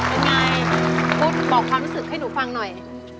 เป็นไงพูดบอกความรู้สึกให้หนูฟังหน่อย